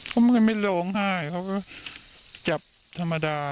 เพราะไม่ร้องให้เขาก็จับธรรมดา